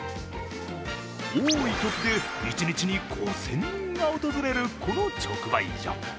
多いときで、一日に５０００人が訪れる、この直売所。